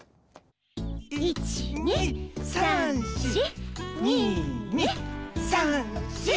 １２３４２２３４。